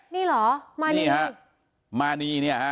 นี่หรอมานีเนี่ยเส้นนี่เหรอมานีเนี่ย